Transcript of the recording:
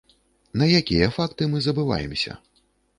На якія факты мы забываемся?